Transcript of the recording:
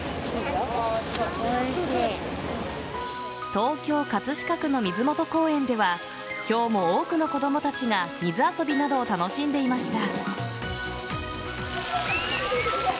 東京・葛飾区の水元公園では今日も多くの子供たちが水遊びなどを楽しんでいました。